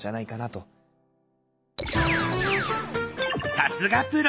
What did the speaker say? さすがプロ！